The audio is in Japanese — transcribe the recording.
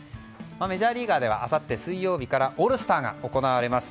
メジャーリーグではあさって水曜日からオールスターが行われます。